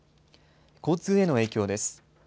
交通への影響です。